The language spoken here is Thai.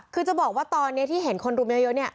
คือจะบอกว่าตอนนี้ที่เห็นคนรุมเยอะเนี่ย